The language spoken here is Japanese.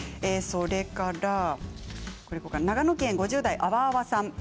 それから長野県５０代の方です。